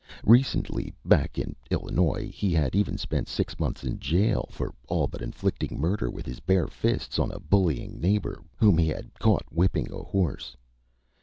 Recently, back in Illinois, he had even spent six months in jail for all but inflicting murder with his bare fists on a bullying neighbor whom he had caught whipping a horse.